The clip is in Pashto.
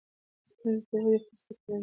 • ستونزې د ودې فرصتونه دي.